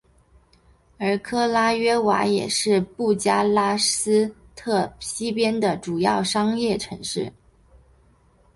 而克拉约瓦也是布加勒斯特西边的主要商业城市。